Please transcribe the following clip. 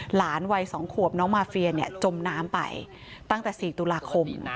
หลานวัย๒ขวบน้องมาเฟียจมน้ำไปตั้งแต่๔ตุลาคม